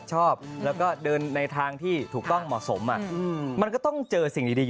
ใช่ผมคิดอย่างนั้นครับ